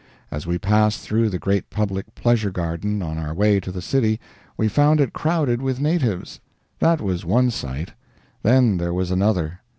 As we passed through the great public pleasure garden on our way to the city we found it crowded with natives. That was one sight. Then there was another.